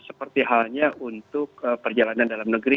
seperti halnya untuk perjalanan dalam negeri